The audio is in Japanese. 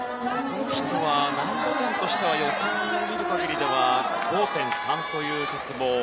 この人は難度点としては予選を見る限りでは５．３という鉄棒。